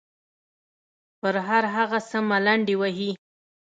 پر هر هغه څه ملنډې وهي.